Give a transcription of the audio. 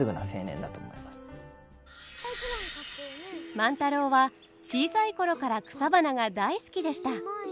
万太郎は小さい頃から草花が大好きでした。